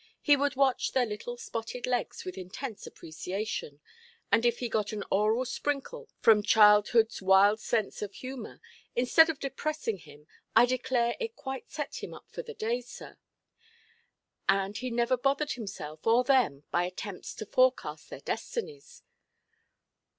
He would watch their little spotted legs with intense appreciation; and if he got an oral sprinkle from childhoodʼs wild sense of humour, instead of depressing him, I declare it quite set him up for the day, sir. And he never bothered himself or them by attempts to forecast their destinies.